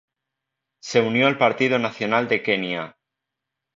Se unió al Partido Nacional de Kenia.